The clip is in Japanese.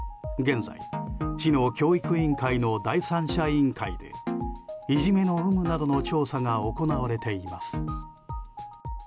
現在、市の教育委員会の第三者委員会でいじめの有無などの調査が行われています。